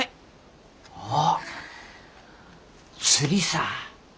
あっ釣りさ。